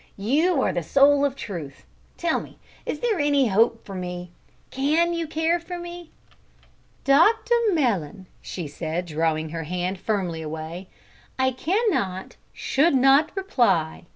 "You are the soul of truth; tell me, is there any hope for me? can you care for me?" "Dr Mellon," she said, drawing her hand firmly away, "I cannot, should not reply.